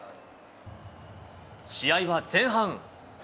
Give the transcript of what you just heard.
試合は前半。